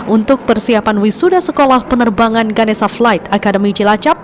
untuk persiapan wisuda sekolah penerbangan ganesha flight akademi jelacap